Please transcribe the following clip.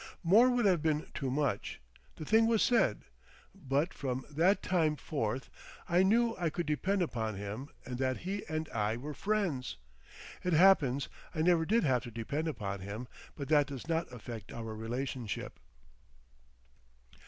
More would have been too much. The thing was said. But from that time forth I knew I could depend upon him and that he and I were friends. It happens I never did have to depend upon him, but that does not affect our relationship.